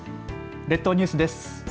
列島ニュースです。